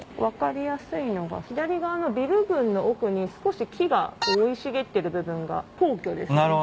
分かりやすいのが左側のビル群の奥に少し木が生い茂ってる部分が皇居ですね。